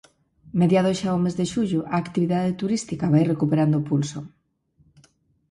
Mediado xa o mes de xullo, a actividade turística vai recuperando o pulso.